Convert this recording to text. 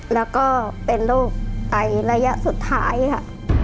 แล้วก็เป็นโรคไตระยะสุดท้ายค่ะ